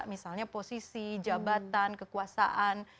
misalnya posisi jabatan kekuasaan